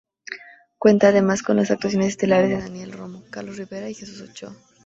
Cuenta además con las actuaciones estelares de Daniela Romo, Carlos Rivera y Jesús Ochoa.